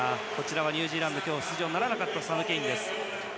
ニュージーランド今日出場ならなかったサム・ケインが映りました。